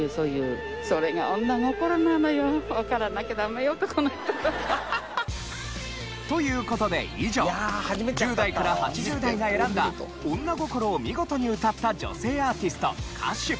別れてもねやっぱりだから。という事で以上１０代から８０代が選んだ女心を見事に歌った女性アーティスト・歌手。